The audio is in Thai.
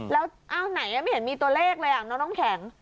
แล้วอ้าวไหนไม่เห็นมีตัวเลขเลยอ่ะน้องน้ำแข็ง